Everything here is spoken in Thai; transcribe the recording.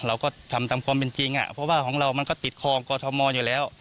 เราก็ทำตามความเป็นจริงเพราะว่าของเรามันก็ติดคลองกอทมอยู่แล้ว